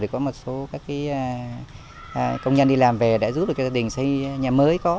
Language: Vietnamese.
thì có một số các công nhân đi làm về đã giúp cho gia đình xây nhà mới có